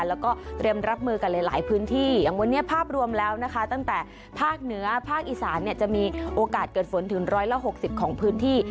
แล้วก็เตรียมรับมือกันหลายพื้นที่อย่างวันนี้ภาพรวมแล้วนะคะตั้งแต่ภาคเหนือภาคอีสานเนี่ยจะมีโอกาสเกิดฝนถึง๑๖๐ของพื้นที่